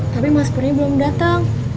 tapi mas budi belum datang